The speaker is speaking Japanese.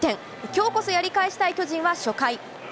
きょうこそやり返したい巨人は初回。